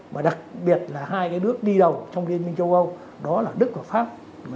và đặc biệt là hai cái nước đi đầu trong liên minh châu âu đó là đức và pháp